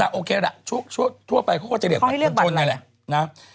แต่โอเคแหละทั่วไปเขาก็จะเรียกบัตรคนจนไงแหละ